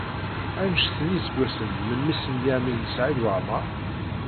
Anect n yiseggasen n memmi-s n Lyamin n Saɛid Waɛmeṛ?